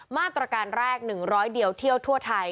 มาตรการแรก๑๐๐เดียวเที่ยวทั่วไทย